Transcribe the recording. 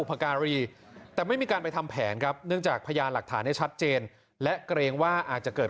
เพราะว่าผมไม่เคยคุยกับยาย๒ตอน๒นาทีครับ